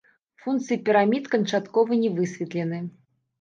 Функцыі пірамід канчаткова не высветлены.